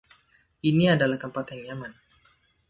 Ini adalah tempat yang aman.